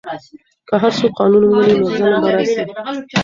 که هر څوک قانون ومني نو نظم به راسي.